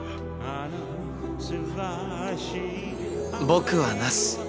僕はなす。